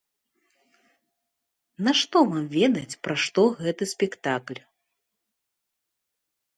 На што вам ведаць пра што гэты спектакль?